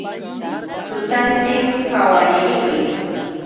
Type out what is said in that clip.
Tutantin awaniriki.